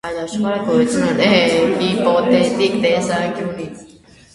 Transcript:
Այդ աշխարհը գոյություն ունի հիպոթետիկ տեսանկյունից։